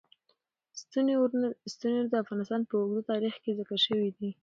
ستوني غرونه د افغانستان په اوږده تاریخ کې ذکر شوی دی.